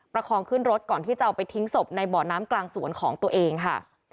คองขึ้นรถก่อนที่จะเอาไปทิ้งศพในบ่อน้ำกลางสวนของตัวเองค่ะ